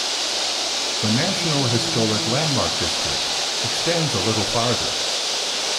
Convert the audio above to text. The National Historic Landmark district extends a little farther.